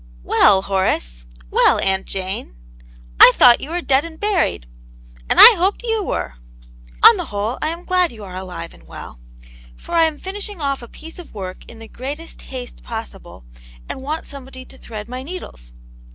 \'\/ELL, Horace!" VV "Well, Aunt Jane!" " I thought you were dead and buried 1 '*" And I hoped you were !"" On the whole, I am glad you are alive and well, for I am finishing off a piece of work in the greatest haste possible, and want somebody to thread my needles."